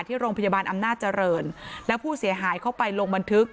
ที่โรงพยาบาลอำนาจเจริญแล้วผู้เสียหายเข้าไปลงบันทึก